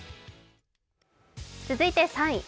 続いて３位。